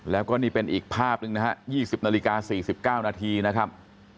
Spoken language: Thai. แล้วก็นี่เป็นอีกภาพหนึ่งนะฮะ๒๐นาฬิกา๔๙นาทีนะครับ